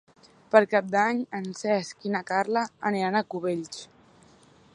Per Cap d'Any en Cesc i na Carla aniran a Cubells.